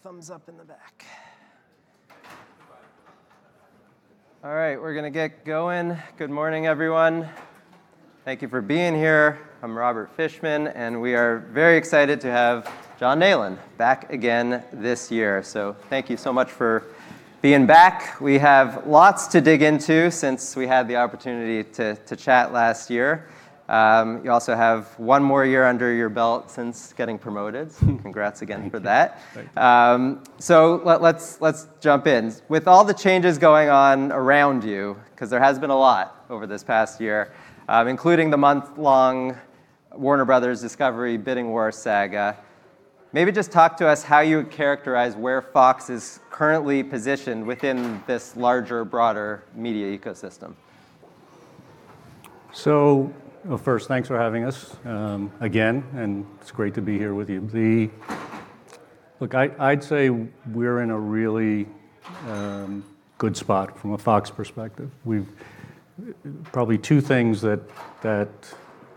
Good. All right. Got a thumbs up in the back. All right, we're going to get going. Good morning, everyone. Thank you for being here. I'm Robert Fishman, and we are very excited to have John Nallen back again this year. Thank you so much for being back. We have lots to dig into since we had the opportunity to chat last year. You also have one more year under your belt since getting promoted. Thank you. Congrats again for that. Thanks. Let's jump in. With all the changes going on around you, 'cause there has been a lot over this past year, including the month-long Warner Bros. Discovery bidding war saga, maybe just talk to us how you would characterize where FOX is currently positioned within this larger, broader media ecosystem? Well first, thanks for having us again, and it's great to be here with you. Look, I'd say we're in a really good spot from a FOX perspective. Probably two things that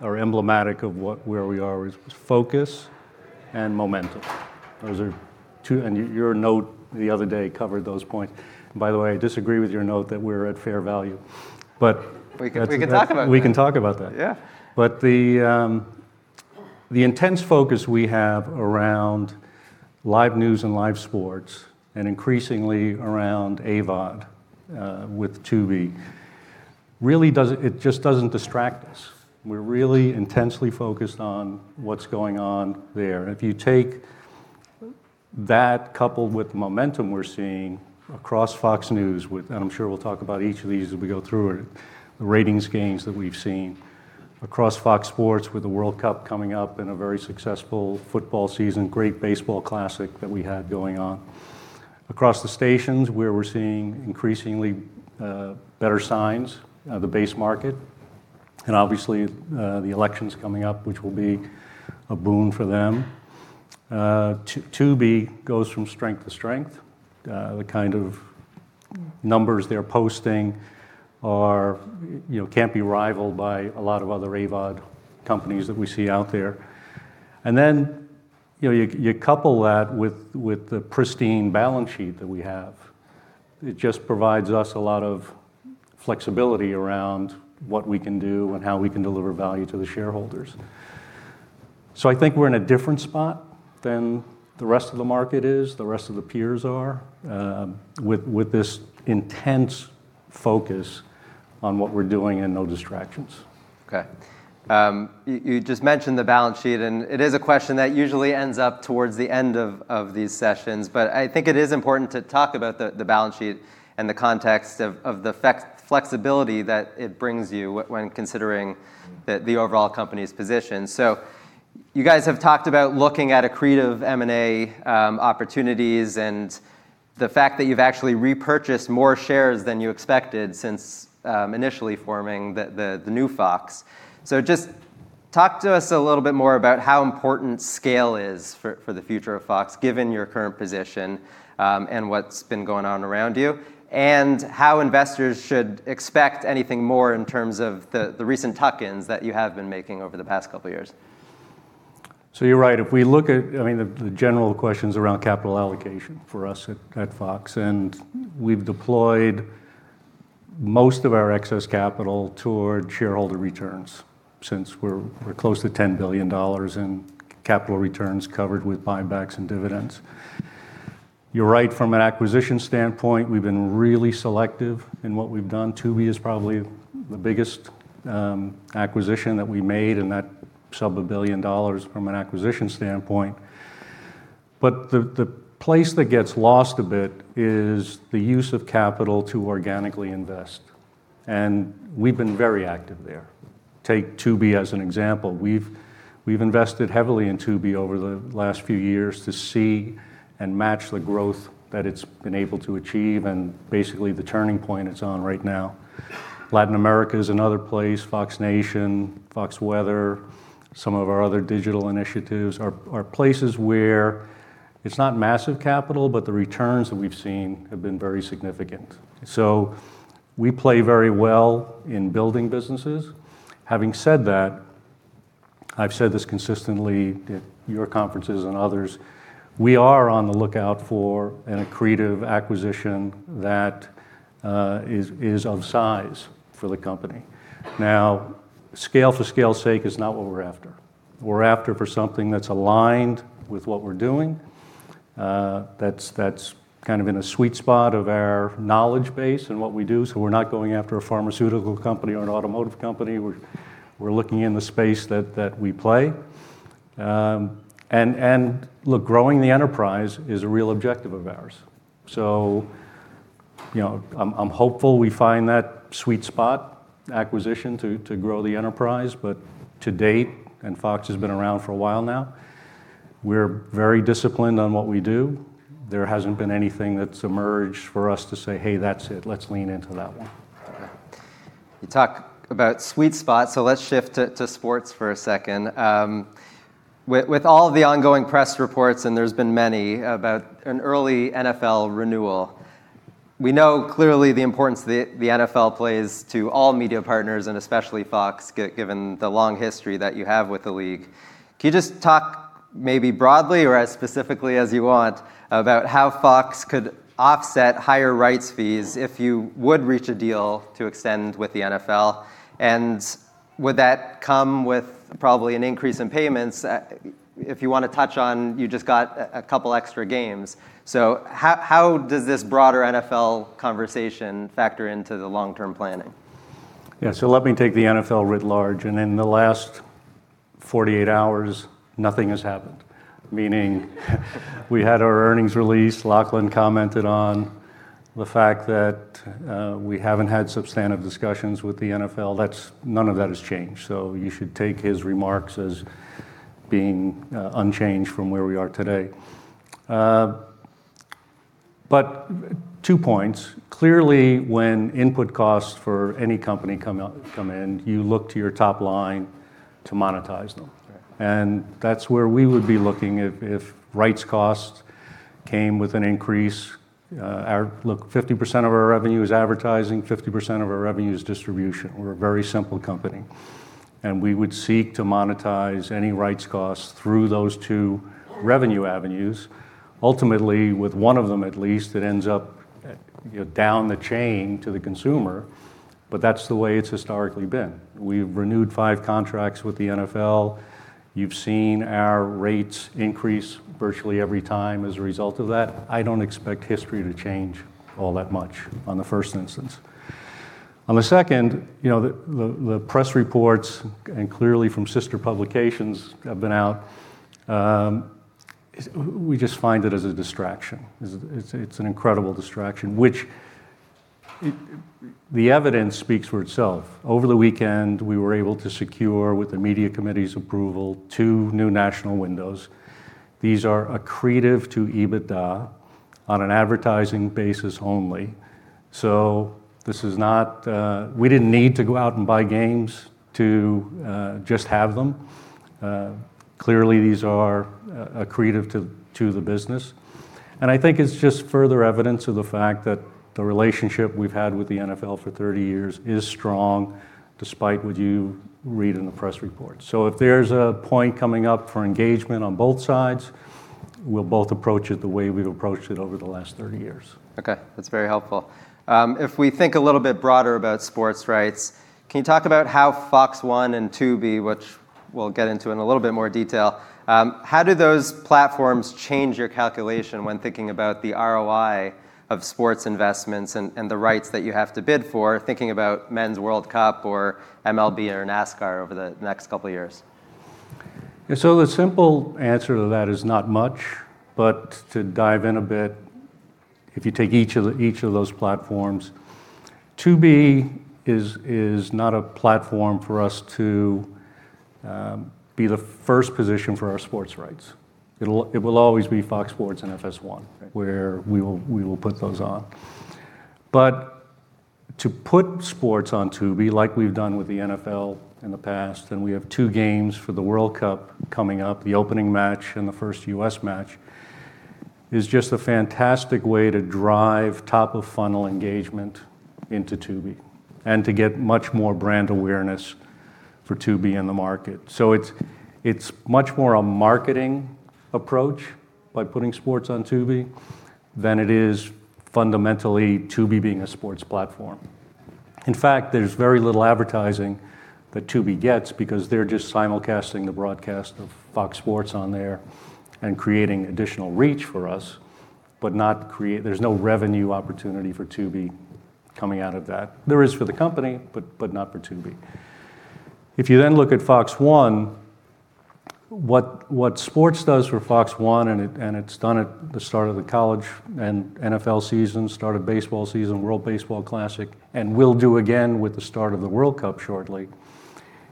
are emblematic of where we are is focus and momentum. Those are two. Your note the other day covered those points. By the way, I disagree with your note that we're at fair value. We can talk about that. We can talk about that. Yeah. The intense focus we have around live news and live sports, and increasingly around AVOD, with Tubi really does, it just doesn't distract us. We're really intensely focused on what's going on there. If you take that coupled with the momentum we're seeing across FOX News with, and I'm sure we'll talk about each of these as we go through it, the ratings gains that we've seen across FOX Sports with the World Cup coming up and a very successful football season, great Baseball Classic that we had going on. Across the stations where we're seeing increasingly, better signs of the base market, and obviously, the elections coming up, which will be a boon for them. Tubi goes from strength to strength. The kind of numbers they're posting are, you know, can't be rivaled by a lot of other AVOD companies that we see out there. You know, you couple that with the pristine balance sheet that we have, it just provides us a lot of flexibility around what we can do and how we can deliver value to the shareholders. I think we're in a different spot than the rest of the market is, the rest of the peers are, with this intense focus on what we're doing and no distractions. Okay. You just mentioned the balance sheet, it is a question that usually ends up towards the end of these sessions, I think it is important to talk about the balance sheet and the context of the effect, flexibility that it brings you when considering the overall company's position. You guys have talked about looking at accretive M&A opportunities, the fact that you've actually repurchased more shares than you expected since initially forming the new FOX. Just talk to us a little bit more about how important scale is for the future of FOX given your current position, what's been going on around you, how investors should expect anything more in terms of the recent tuck-ins that you have been making over the past couple years. You're right. If we look at, I mean, the general questions around capital allocation for us at FOX, and we've deployed most of our excess capital toward shareholder returns since we're close to $10 billion in capital returns covered with buybacks and dividends. You're right, from an acquisition standpoint, we've been really selective in what we've done. Tubi is probably the biggest acquisition that we made, and that sub $1 billion from an acquisition standpoint. The place that gets lost a bit is the use of capital to organically invest, and we've been very active there. Take Tubi as an example. We've invested heavily in Tubi over the last few years to see and match the growth that it's been able to achieve, and basically the turning point it's on right now. Latin America is another place, FOX Nation, FOX Weather. Some of our other digital initiatives are places where it's not massive capital, but the returns that we've seen have been very significant. We play very well in building businesses. Having said that, I've said this consistently at your conferences and others, we are on the lookout for an accretive acquisition that is of size for the company. Now, scale for scale's sake is not what we're after. We're after for something that's aligned with what we're doing, that's kind of in a sweet spot of our knowledge base and what we do. We're not going after a pharmaceutical company or an automotive company. We're looking in the space that we play. Look, growing the enterprise is a real objective of ours. You know, I'm hopeful we find that sweet spot acquisition to grow the enterprise. To date, and FOX has been around for a while now, we're very disciplined on what we do. There hasn't been anything that's emerged for us to say, "Hey, that's it. Let's lean into that one. Okay. You talk about sweet spots, let's shift to sports for a second. With all the ongoing press reports, and there's been many, about an early NFL renewal. We know clearly the importance the NFL plays to all media partners and especially FOX given the long history that you have with the league. Can you just talk maybe broadly or as specifically as you want about how FOX could offset higher rights fees if you would reach a deal to extend with the NFL? Would that come with probably an increase in payments? If you wanna touch on, you just got a couple extra games. How does this broader NFL conversation factor into the long-term planning? Yeah, let me take the NFL writ large. In the last 48 hours nothing has happened, meaning, we had our earnings release. Lachlan commented on the fact that we haven't had substantive discussions with the NFL. None of that has changed, you should take his remarks as being unchanged from where we are today. Two points. Clearly, when input costs for any company come in, you look to your top line to monetize them. Right. That's where we would be looking if rights costs came with an increase. Our 50% of our revenue is advertising, 50% of our revenue is distribution. We're a very simple company, and we would seek to monetize any rights costs through those two revenue avenues. Ultimately, with one of them at least, it ends up, you know, down the chain to the consumer, but that's the way it's historically been. We've renewed five contracts with the NFL. You've seen our rates increase virtually every time as a result of that. I don't expect history to change all that much on the first instance. On the second, you know, the press reports, and clearly from sister publications, have been out. We just find it as a distraction. It's an incredible distraction which the evidence speaks for itself. Over the weekend, we were able to secure, with the media committee's approval, two new national windows. These are accretive to EBITDA on an advertising basis only. We didn't need to go out and buy games to just have them. Clearly these are accretive to the business. I think it's just further evidence of the fact that the relationship we've had with the NFL for 30 years is strong despite what you read in the press reports. If there's a point coming up for engagement on both sides, we'll both approach it the way we've approached it over the last 30 years. Okay. That's very helpful. If we think a little bit broader about sports rights, can you talk about how FOX One and Tubi, which we'll get into in a little bit more detail, how do those platforms change your calculation when thinking about the ROI of sports investments and the rights that you have to bid for, thinking about Men's World Cup or MLB or NASCAR over the next couple years? Yeah, the simple answer to that is not much, but to dive in a bit, if you take each of those platforms, Tubi is not a platform for us to be the first position for our sports rights. It will always be FOX Sports and FS1 where we will put those on. Right To put sports on Tubi like we've done with the NFL in the past, and we have two games for the World Cup coming up, the opening match and the first U.S. match, is just a fantastic way to drive top-of-funnel engagement into Tubi and to get much more brand awareness for Tubi in the market. It's much more a marketing approach by putting sports on Tubi than it is fundamentally Tubi being a sports platform. In fact, there's very little advertising that Tubi gets because they're just simulcasting the broadcast of FOX Sports on there and creating additional reach for us, there's no revenue opportunity for Tubi coming out of that. There is for the company, but not for Tubi. If you then look at FOX One, what sports does for FOX One, and it's done at the start of the college and NFL season, start of baseball season, World Baseball Classic, and will do again with the start of the World Cup shortly,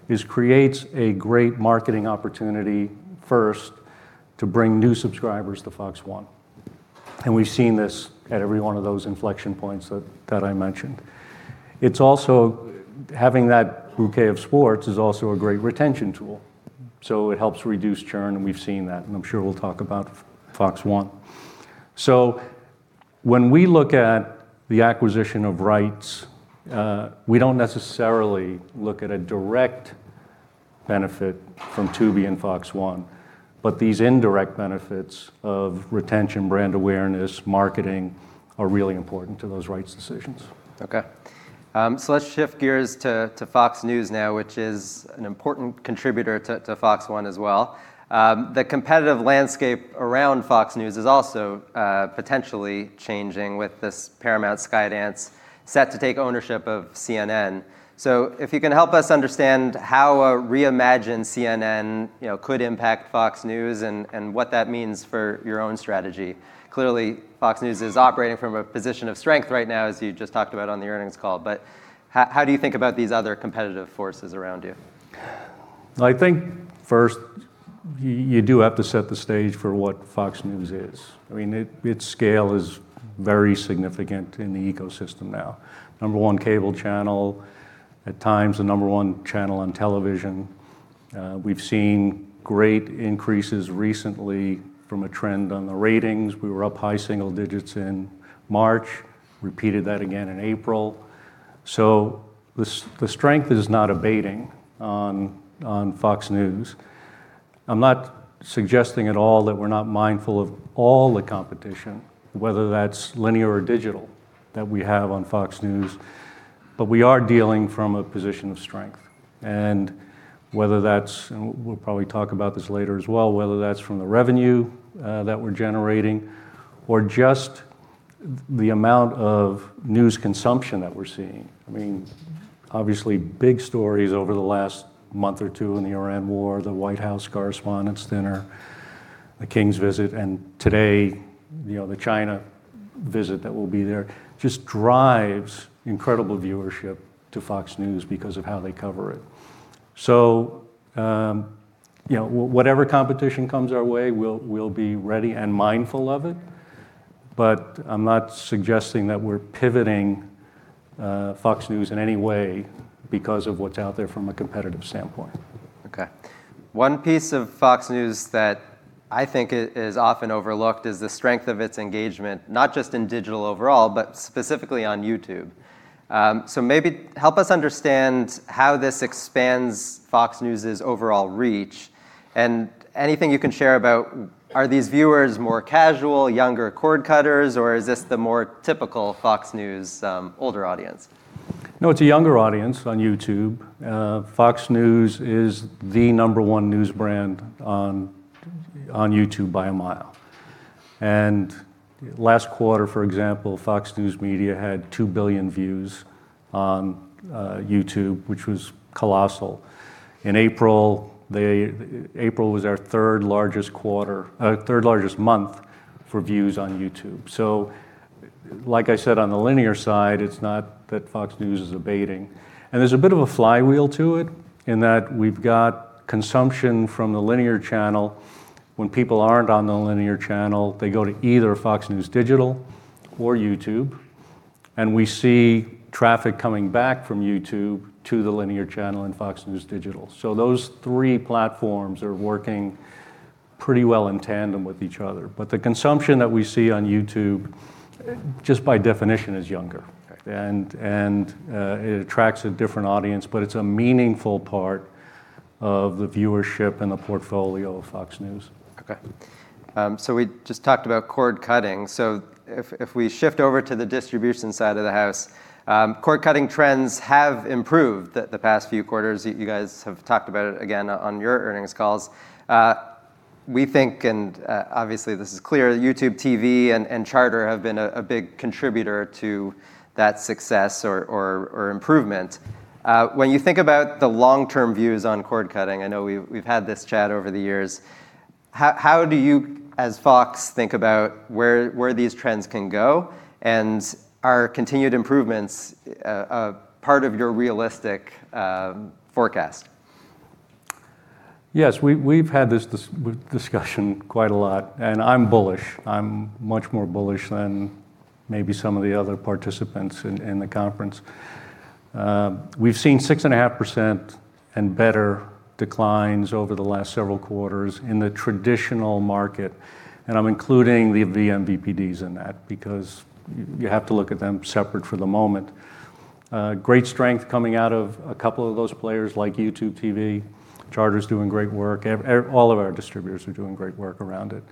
is creates a great marketing opportunity, first, to bring new subscribers to FOX One, and we've seen this at every one of those inflection points that I mentioned. It's also, having that bouquet of sports is also a great retention tool, so it helps reduce churn, and we've seen that, and I'm sure we'll talk about FOX One. When we look at the acquisition of rights, we don't necessarily look at a direct benefit from Tubi and FOX One, but these indirect benefits of retention, brand awareness, marketing are really important to those rights decisions. Okay. Let's shift gears to FOX News now, which is an important contributor to FOX One as well. The competitive landscape around FOX News is also potentially changing with this Paramount Skydance set to take ownership of CNN. If you can help us understand how a reimagined CNN, you know, could impact FOX News and what that means for your own strategy. Clearly, FOX News is operating from a position of strength right now, as you just talked about on the earnings call. How do you think about these other competitive forces around you? I think first you do have to set the stage for what FOX News is. I mean, its scale is very significant in the ecosystem now. Number-one cable channel, at times the number-one channel on television. We've seen great increases recently from a trend on the ratings. We were up high single digits in March, repeated that again in April. The strength is not abating on FOX News. I'm not suggesting at all that we're not mindful of all the competition, whether that's linear or digital, that we have on FOX News, but we are dealing from a position of strength. Whether that's, and we'll probably talk about this later as well, whether that's from the revenue that we're generating or just the amount of news consumption that we're seeing. I mean, obviously big stories over the last month or two in the Iran war, the White House Correspondents' Dinner, the King's visit, and today, you know, the China visit that will be there, just drives incredible viewership to FOX News because of how they cover it. Whatever competition comes our way, we'll be ready and mindful of it. I'm not suggesting that we're pivoting FOX News in any way because of what's out there from a competitive standpoint. Okay. One piece of FOX News that I think is often overlooked is the strength of its engagement, not just in digital overall, but specifically on YouTube. Maybe help us understand how this expands FOX News' overall reach, and anything you can share about are these viewers more casual, younger cord cutters, or is this the more typical FOX News, older audience? No, it's a younger audience on YouTube. FOX News is the number one news brand on YouTube by a mile. Last quarter, for example, FOX News Media had 2 billion views on YouTube, which was colossal. In April was our third largest month for views on YouTube. Like I said, on the linear side, it's not that FOX News is abating. There's a bit of a flywheel to it in that we've got consumption from the linear channel. When people aren't on the linear channel, they go to either FOX News Digital or YouTube, and we see traffic coming back from YouTube to the linear channel and FOX News Digital. Those three platforms are working pretty well in tandem with each other. The consumption that we see on YouTube just by definition is younger. Okay. It attracts a different audience, but it's a meaningful part of the viewership and the portfolio of FOX News. Okay. We just talked about cord cutting. If we shift over to the distribution side of the house, cord cutting trends have improved the past few quarters. You guys have talked about it again on your earnings calls. We think, and, obviously this is clear, YouTube TV and Charter have been a big contributor to that success or improvement. When you think about the long-term views on cord cutting, I know we've had this chat over the years, how do you as FOX think about where these trends can go, and are continued improvements a part of your realistic forecast? Yes, we've had this discussion quite a lot. I'm bullish. I'm much more bullish than maybe some of the other participants in the conference. We've seen 6.5% and better declines over the last several quarters in the traditional market, and I'm including the vMVPDs in that because you have to look at them separate for the moment. Great strength coming out of a couple of those players like YouTube TV. Charter's doing great work. All of our distributors are doing great work around it.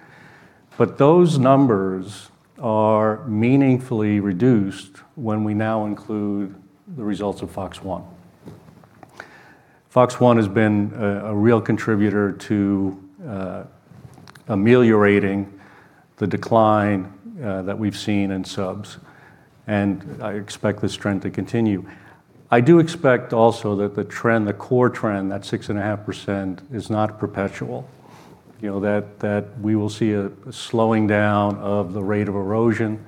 Those numbers are meaningfully reduced when we now include the results of FOX One. FOX One has been a real contributor to ameliorating the decline that we've seen in subs, and I expect this trend to continue. I do expect also that the trend, the core trend, that 6.5%, is not perpetual, you know, that we will see a slowing down of the rate of erosion.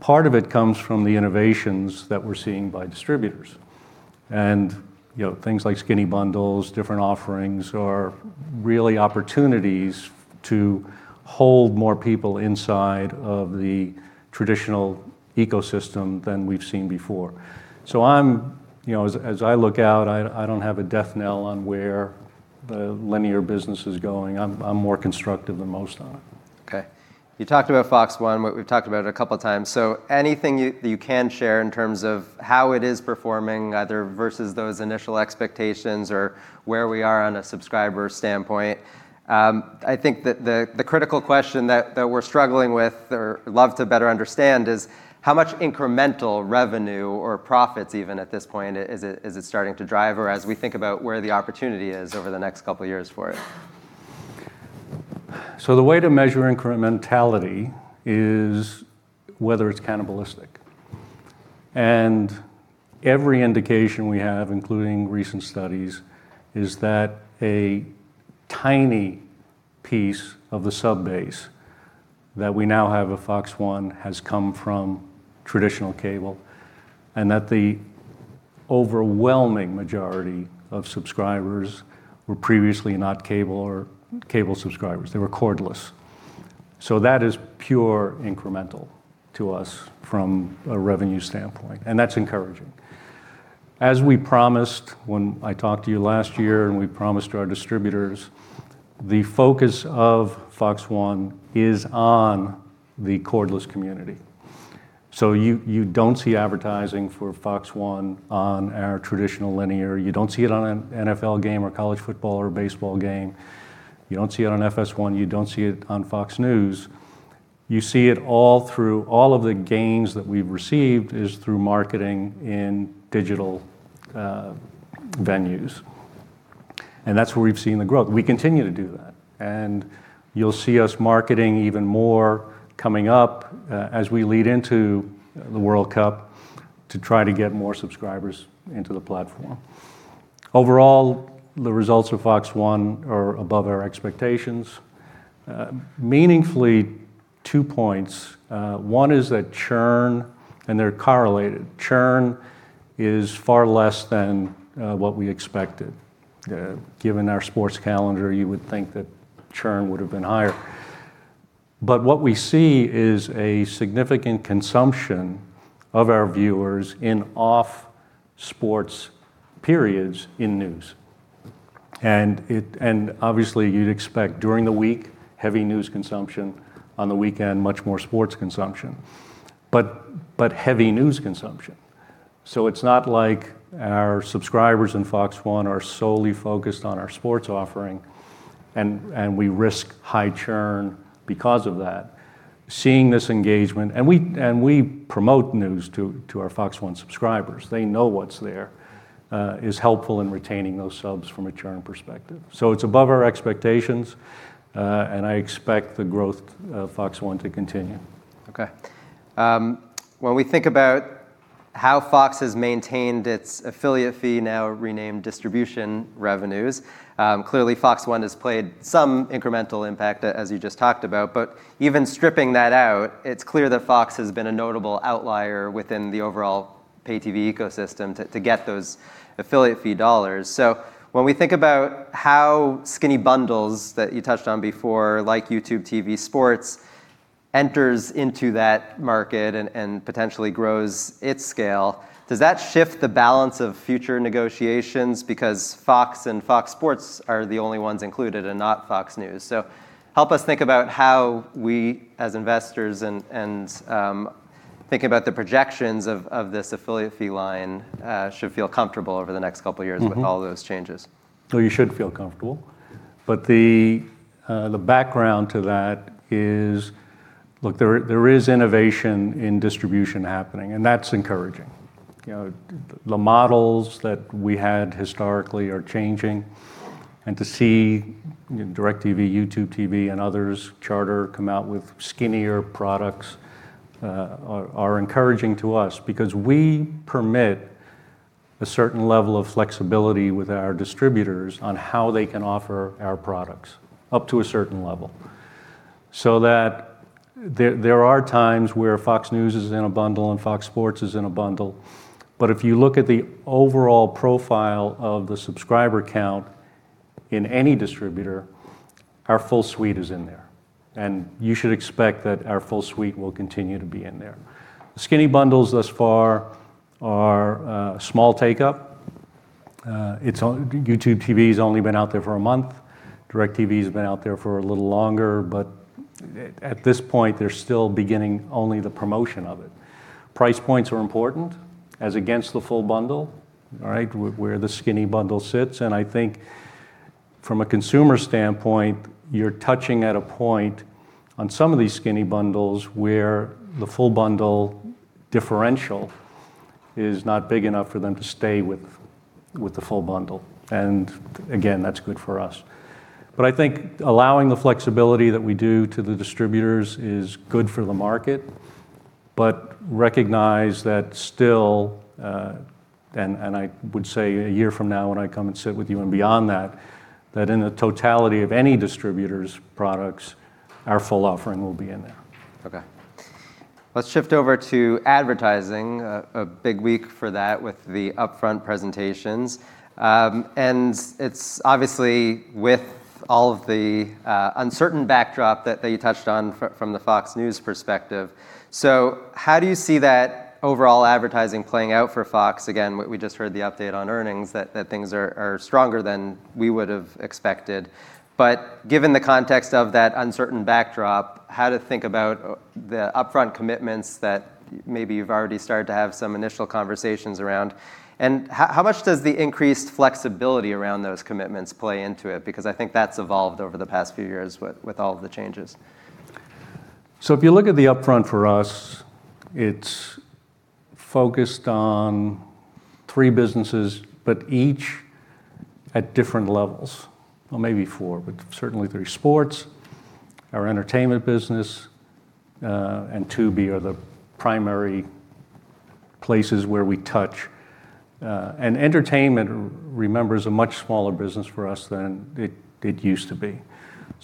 Part of it comes from the innovations that we're seeing by distributors. You know, things like skinny bundles, different offerings are really opportunities to hold more people inside of the traditional ecosystem than we've seen before. I'm, you know, as I look out, I don't have a death knell on where the linear business is going. I'm more constructive than most on it. Okay. You talked about FOX One, what we've talked about a couple times. Anything you can share in terms of how it is performing, either versus those initial expectations or where we are on a subscriber standpoint? I think that the critical question that we're struggling with or love to better understand is how much incremental revenue or profits even at this point is it starting to drive or as we think about where the opportunity is over the next couple years for it? The way to measure incrementality is whether it's cannibalistic. Every indication we have, including recent studies, is that a tiny piece of the sub base that we now have at FOX One has come from traditional cable, and that the overwhelming majority of subscribers were previously not cable or cable subscribers. They were cordless. That is pure incremental to us from a revenue standpoint, and that's encouraging. As we promised when I talked to you last year and we promised to our distributors, the focus of FOX One is on the cordless community. You, you don't see advertising for FOX One on our traditional linear, you don't see it on an NFL game or college football or a baseball game, you don't see it on FS1, you don't see it on FOX News. You see it all through all of the gains that we've received is through marketing in digital venues, and that's where we've seen the growth. We continue to do that. You'll see us marketing even more coming up as we lead into the World Cup to try to get more subscribers into the platform. Overall, the results of FOX One are above our expectations. Meaningfully, two points. one is that churn, and they're correlated, churn is far less than what we expected. Given our sports calendar, you would think that churn would've been higher. What we see is a significant consumption of our viewers in off sports periods in news. Obviously you'd expect during the week, heavy news consumption, on the weekend, much more sports consumption, but heavy news consumption. It's not like our subscribers on FOX One are solely focused on our sports offering and we risk high churn because of that. Seeing this engagement, and we promote news to our FOX One subscribers, they know what's there, is helpful in retaining those subs from a churn perspective. It's above our expectations, and I expect the growth of FOX One to continue. Okay. When we think about how FOX has maintained its affiliate fee, now renamed distribution revenues, clearly FOX One has played some incremental impact, as you just talked about. Even stripping that out, it's clear that FOX has been a notable outlier within the overall pay-TV ecosystem to get those affiliate fee dollars. When we think about how skinny bundles that you touched on before, like YouTube TV Sports, enters into that market and potentially grows its scale, does that shift the balance of future negotiations because FOX and FOX Sports are the only ones included and not FOX News? Help us think about how we, as investors and thinking about the projections of this affiliate fee line, should feel comfortable over the next couple years with all those changes. No, you should feel comfortable. The background to that is look, there is innovation in distribution happening, and that's encouraging. You know, the models that we had historically are changing. To see, you know, DirecTV, YouTube TV, and others, Charter come out with skinnier products, are encouraging to us because we permit a certain level of flexibility with our distributors on how they can offer our products, up to a certain level, so that there are times where FOX News is in a bundle and FOX Sports is in a bundle. If you look at the overall profile of the subscriber count in any distributor, our full suite is in there, and you should expect that our full suite will continue to be in there. Skinny bundles thus far are small take-up. YouTube TV's only been out there for a month. DirecTV's been out there for a little longer. At this point, they're still beginning only the promotion of it. Price points are important as against the full bundle, right, where the skinny bundle sits. I think from a consumer standpoint, you're touching at a point on some of these skinny bundles where the full bundle differential is not big enough for them to stay with the full bundle, and again, that's good for us. I think allowing the flexibility that we do to the distributors is good for the market, but recognize that still, and I would say a year from now when I come and sit with you and beyond that in the totality of any distributor's products, our full offering will be in there. Okay. Let's shift over to advertising, a big week for that with the upfront presentations. It's obviously with all of the uncertain backdrop that you touched on from the FOX News perspective. How do you see that overall advertising playing out for FOX? We just heard the update on earnings that things are stronger than we would have expected. Given the context of that uncertain backdrop, how to think about the upfront commitments that maybe you've already started to have some initial conversations around? How much does the increased flexibility around those commitments play into it? I think that's evolved over the past few years with all the changes. If you look at the upfront for us, it's focused on three businesses, but each at different levels. Maybe four, but certainly three. Sports, our entertainment business, and Tubi are the primary places where we touch. Entertainment, remember, is a much smaller business for us than it used to be.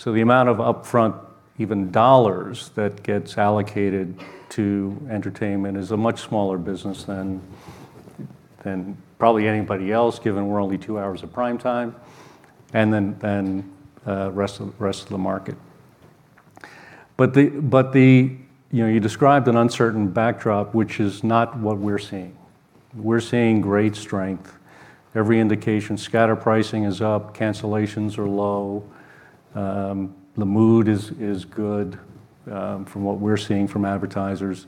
The amount of upfront even dollars that gets allocated to entertainment is a much smaller business than probably anybody else, given we're only two hours of prime time, than rest of the market. You know, you described an uncertain backdrop, which is not what we're seeing. We're seeing great strength. Every indication, scatter pricing is up, cancellations are low. The mood is good from what we're seeing from advertisers.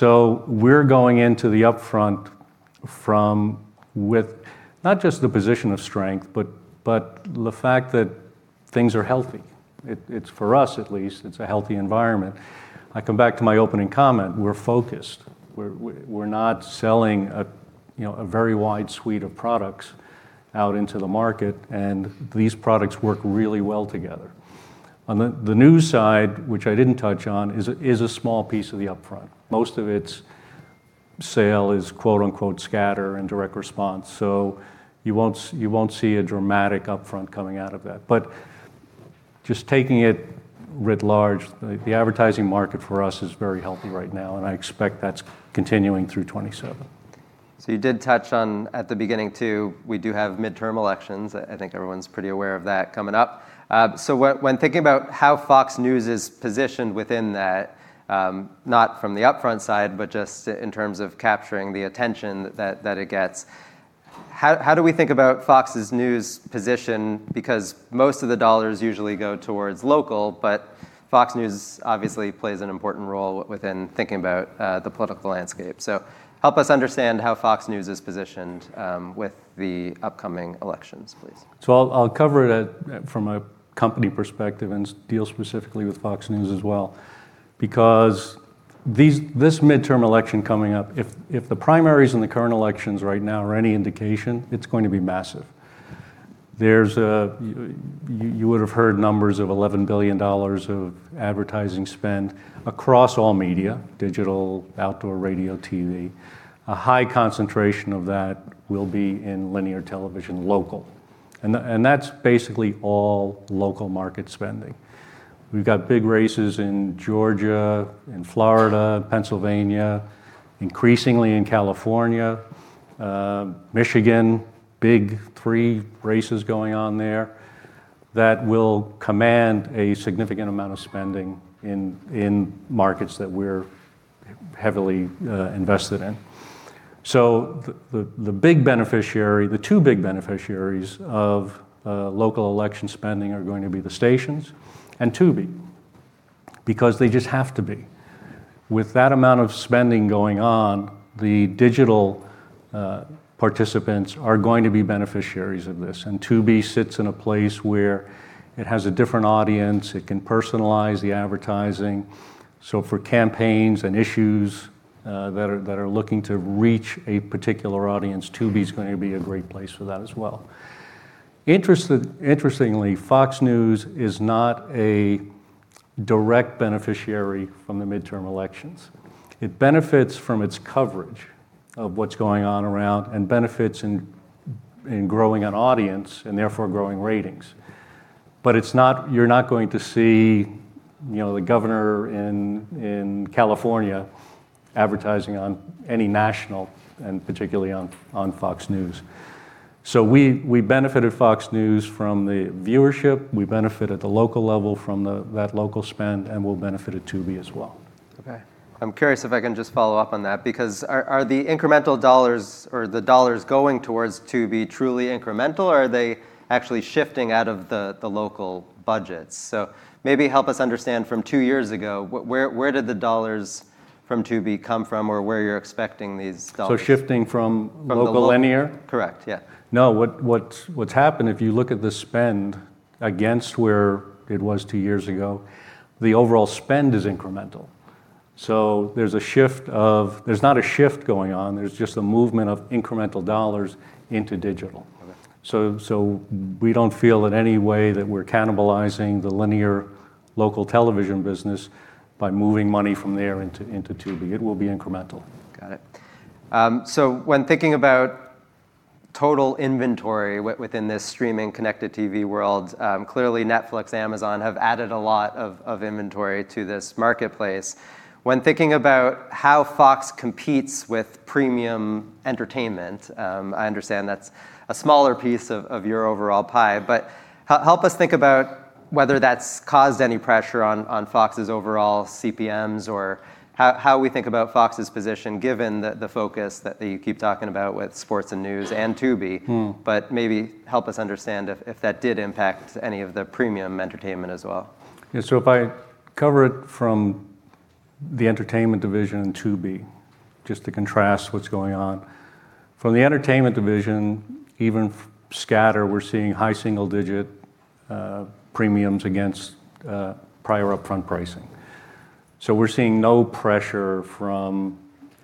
We're going into the upfront from, with not just the position of strength, but the fact that things are healthy. It's, for us at least, it's a healthy environment. I come back to my opening comment, we're focused. We're not selling a, you know, a very wide suite of products out into the market, and these products work really well together. On the news side, which I didn't touch on, is a small piece of the upfront. Most of its sale is "scatter and direct response," you won't see a dramatic upfront coming out of that. Just taking it writ large, the advertising market for us is very healthy right now, and I expect that's continuing through 2027. You did touch on, at the beginning too, we do have midterm elections. I think everyone's pretty aware of that coming up. When thinking about how FOX News is positioned within that, not from the upfront side, but just in terms of capturing the attention that it gets, how do we think about FOX's News position? Most of the dollars usually go towards local, but FOX News obviously plays an important role within thinking about the political landscape. Help us understand how FOX News is positioned with the upcoming elections, please. I'll cover it from a company perspective and deal specifically with FOX News as well. Because this midterm election coming up, if the primaries in the current elections right now are any indication, it's going to be massive. You would've heard numbers of $11 billion of advertising spend across all media, digital, outdoor radio, TV. A high concentration of that will be in linear television local, and that's basically all local market spending. We've got big races in Georgia, in Florida, Pennsylvania, increasingly in California, Michigan, big three races going on there that will command a significant amount of spending in markets that we're heavily invested in. The big beneficiary, the two big beneficiaries of local election spending are going to be the stations and Tubi because they just have to be. With that amount of spending going on, the digital participants are going to be beneficiaries of this. Tubi sits in a place where it has a different audience, it can personalize the advertising. For campaigns and issues that are looking to reach a particular audience, Tubi is going to be a great place for that as well. Interestingly, FOX News is not a direct beneficiary from the midterm elections. It benefits from its coverage of what's going on around, and benefits in growing an audience, and therefore growing ratings. It's not, you're not going to see, you know, the governor in California advertising on any national, and particularly on FOX News. We benefit at FOX News from the viewership, we benefit at the local level from that local spend, and we'll benefit at Tubi as well. Okay. I'm curious if I can just follow up on that, because are the incremental dollars or the dollars going towards Tubi truly incremental, or are they actually shifting out of the local budgets? Maybe help us understand from two years ago, where did the dollars from Tubi come from or where you're expecting these dollars. Shifting from local linear? From the local. Correct, yeah. No. What's happened, if you look at the spend against where it was two years ago, the overall spend is incremental. There's not a shift going on, there's just a movement of incremental dollars into digital. Okay. We don't feel in any way that we're cannibalizing the linear local television business by moving money from there into Tubi. It will be incremental. Got it. When thinking about total inventory within this streaming connected TV world, clearly Netflix, Amazon have added a lot of inventory to this marketplace. When thinking about how FOX competes with premium entertainment, I understand that's a smaller piece of your overall pie, help us think about whether that's caused any pressure on FOX's overall CPMs, or how we think about FOX's position given the focus that you keep talking about with sports and news and Tubi. Maybe help us understand if that did impact any of the premium entertainment as well? Yeah. If I cover it from the Entertainment division, Tubi, just to contrast what's going on. From the Entertainment division, even scatter, we're seeing high single-digit premiums against prior upfront pricing. We're seeing no pressure from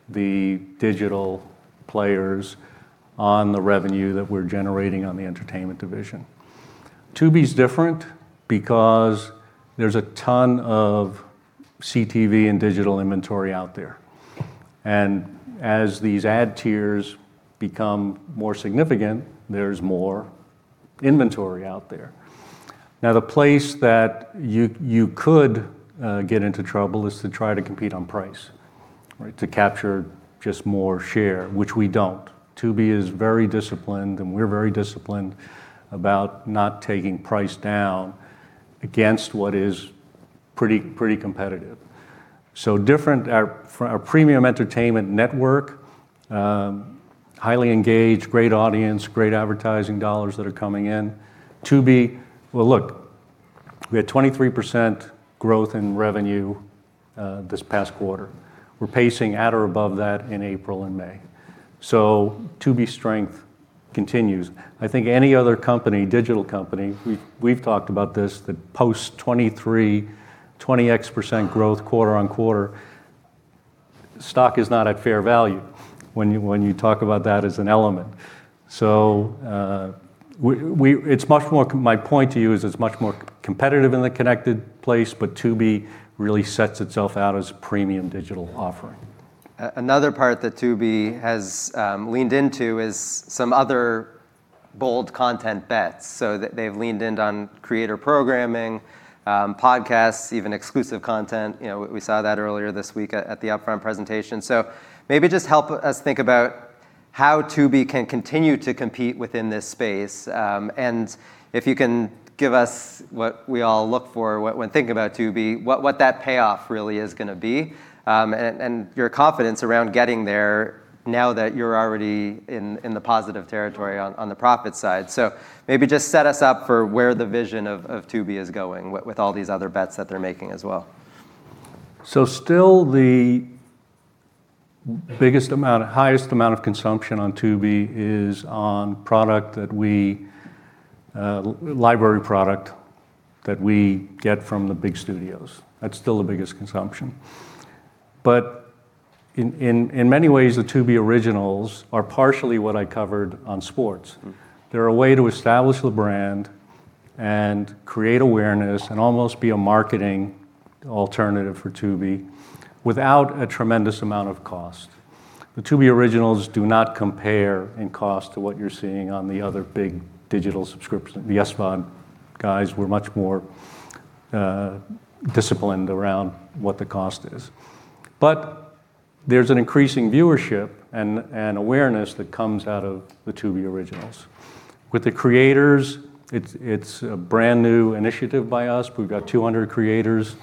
the digital players on the revenue that we're generating on the Entertainment division. Tubi's different because there's a ton of CTV and digital inventory out there, and as these ad tiers become more significant, there's more inventory out there. Now, the place that you could get into trouble is to try to compete on price, right? To capture just more share, which we don't. Tubi is very disciplined, and we're very disciplined about not taking price down against what is pretty competitive. Different. Our premium entertainment network, highly engaged, great audience, great advertising dollars that are coming in. Tubi. Well, look, we had 23% growth in revenue this past quarter. We're pacing at or above that in April and May. Tubi's strength continues. I think any other company, digital company, we've talked about this, that posts 23%, 20-X% growth quarter-on-quarter, stock is not at fair value when you talk about that as an element. My point to you is it's much more competitive in the connected place, but Tubi really sets itself out as a premium digital offering. Another part that Tubi has leaned into is some other bold content bets, they've leaned in on creator programming, podcasts, even exclusive content. You know, we saw that earlier this week at the upfront presentation. Maybe just help us think about how Tubi can continue to compete within this space. If you can give us what we all look for when thinking about Tubi, what that payoff really is gonna be, and your confidence around getting there now that you're already in the positive territory on the profit side. Maybe just set us up for where the vision of Tubi is going with all these other bets that they're making as well. Still the biggest amount, highest amount of consumption on Tubi is on product that we library product that we get from the big studios. That's still the biggest consumption. In many ways, the Tubi originals are partially what I covered on sports. They're a way to establish the brand and create awareness and almost be a marketing alternative for Tubi without a tremendous amount of cost. The Tubi originals do not compare in cost to what you're seeing on the other big digital subscription. The SVOD guys were much more disciplined around what the cost is. There's an increasing viewership and awareness that comes out of the Tubi originals. With the creators, it's a brand-new initiative by us. We've got 200 creators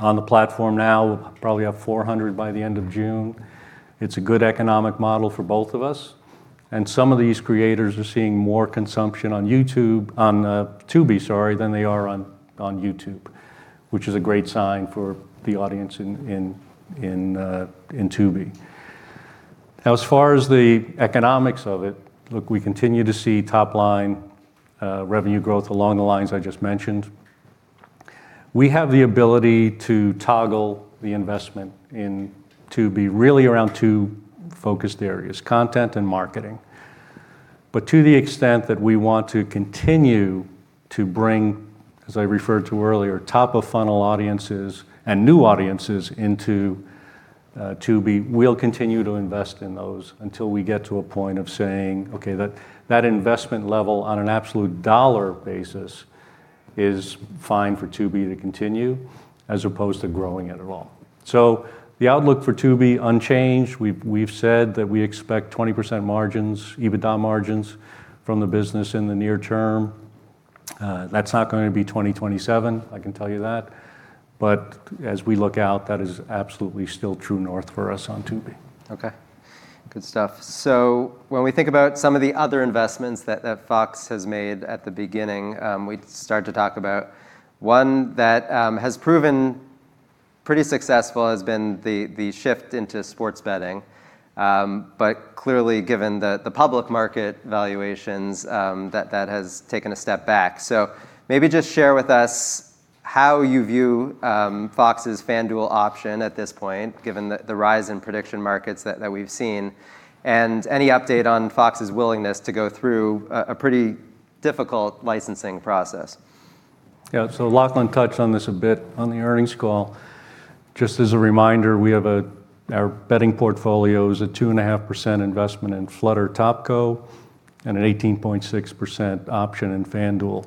on the platform now. We'll probably have 400 by the end of June. It's a good economic model for both of us, and some of these creators are seeing more consumption on YouTube on Tubi, sorry, than they are on YouTube, which is a great sign for the audience in Tubi. As far as the economics of it, look, we continue to see top line revenue growth along the lines I just mentioned. We have the ability to toggle the investment in Tubi really around two focused areas, content and marketing. To the extent that we want to continue to bring, as I referred to earlier, top-of-funnel audiences and new audiences into Tubi, we'll continue to invest in those until we get to a point of saying, "Okay, that investment level on an absolute dollar basis is fine for Tubi to continue," as opposed to growing it at all. The outlook for Tubi, unchanged. We've said that we expect 20% margins, EBITDA margins from the business in the near term. That's not going to be 2027, I can tell you that. As we look out, that is absolutely still true north for us on Tubi. Okay. Good stuff. When we think about some of the other investments that FOX has made at the beginning, we start to talk about one that has proven pretty successful has been the shift into sports betting. Clearly given the public market valuations, that has taken a step back. Maybe just share with us how you view FOX's FanDuel option at this point, given the rise in prediction markets that we've seen, and any update on FOX's willingness to go through a pretty difficult licensing process. Lachlan touched on this a bit on the earnings call. Just as a reminder, we have our betting portfolio is a 2.5% investment in Flutter Topco and an 18.6% option in FanDuel,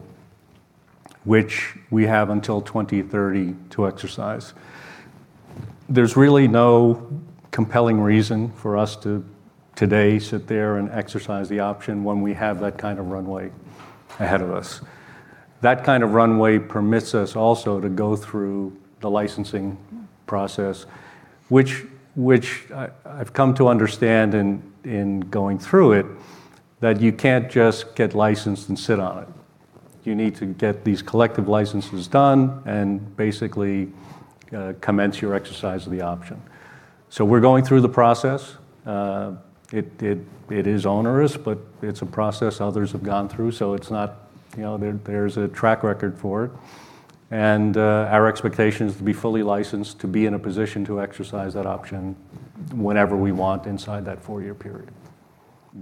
which we have until 2030 to exercise. There's really no compelling reason for us to today sit there and exercise the option when we have that kind of runway ahead of us. That kind of runway permits us also to go through the licensing process, which I've come to understand in going through it that you can't just get licensed and sit on it. You need to get these collective licenses done and basically commence your exercise of the option. We're going through the process. It is onerous, but it's a process others have gone through, so it's not, you know, there's a track record for it. Our expectation is to be fully licensed to be in a position to exercise that option whenever we want inside that four-year period.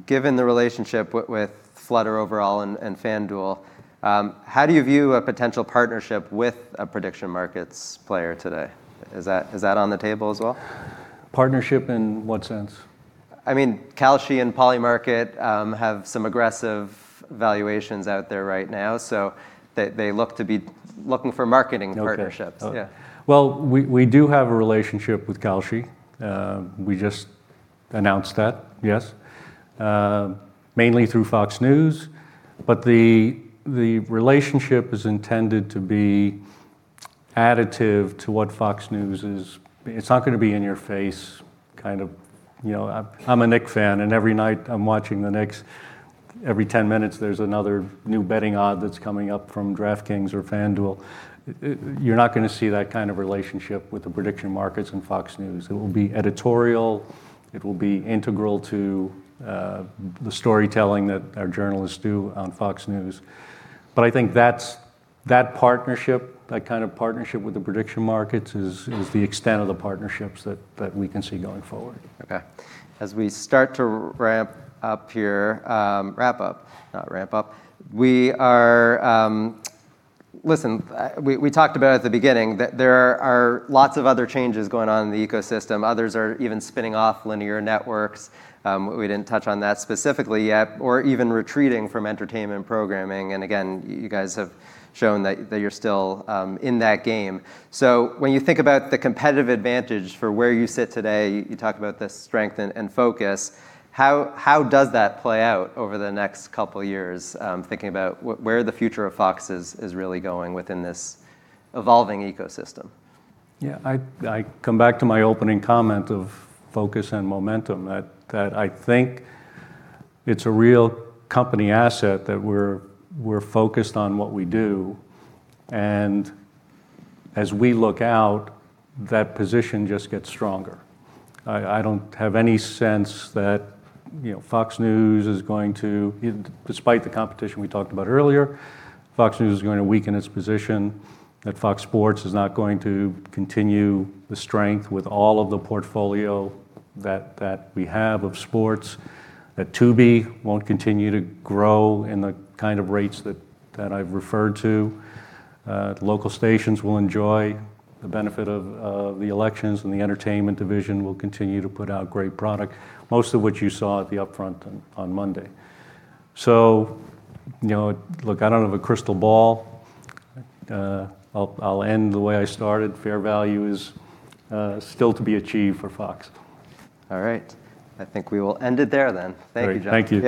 Given the relationship with Flutter overall and FanDuel, how do you view a potential partnership with a prediction markets player today? Is that on the table as well? Partnership in what sense? I mean, Kalshi and Polymarket have some aggressive valuations out there right now, so they look to be looking for marketing partnerships. Okay. Yeah. We do have a relationship with Kalshi. We just announced that, yes. Mainly through FOX News, the relationship is intended to be additive to what FOX News is. It's not gonna be in your face, kind of, you know I'm a Knicks fan, and every night I'm watching the Knicks, every 10 minutes there's another new betting odd that's coming up from DraftKings or FanDuel. You're not gonna see that kind of relationship with the prediction markets and FOX News. It will be editorial, it will be integral to the storytelling that our journalists do on FOX News. I think that partnership, that kind of partnership with the prediction markets is the extent of the partnerships that we can see going forward. Okay. As we start to wrap up, not ramp up, we talked about at the beginning that there are lots of other changes going on in the ecosystem. Others are even spinning off linear networks, we didn't touch on that specifically yet, or even retreating from entertainment programming. Again, you guys have shown that you're still in that game. When you think about the competitive advantage for where you sit today, you talk about the strength and focus, how does that play out over the next couple of years? I'm thinking about where the future of FOX is really going within this evolving ecosystem. Yeah. I come back to my opening comment of focus and momentum, that I think it's a real company asset that we're focused on what we do. As we look out, that position just gets stronger. I don't have any sense that, you know, FOX News is going to, despite the competition we talked about earlier, FOX News is going to weaken its position, that FOX Sports is not going to continue the strength with all of the portfolio that we have of sports, that Tubi won't continue to grow in the kind of rates that I've referred to. Local stations will enjoy the benefit of the elections, and the Entertainment division will continue to put out great product, most of which you saw at the upfront on Monday. You know, look, I don't have a crystal ball. I'll end the way I started, fair value is still to be achieved for FOX. All right. I think we will end it there then. Thank you, John. All right. Thank you.